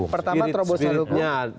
pertama terobosan hukum